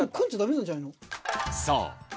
そう！